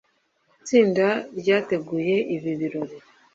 Itsinda ryateguye ibi birori